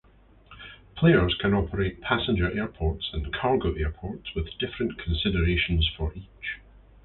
Players can operate passenger airports and cargo airports with different considerations for each.